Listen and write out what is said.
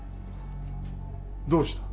どうした？